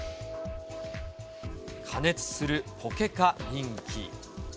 過熱するポケカ人気。